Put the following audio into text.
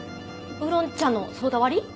ウーロン茶のソーダ割り。